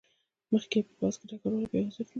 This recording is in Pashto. مخکې یې په پوځ کې ډګروال و او بیا وزیر شو.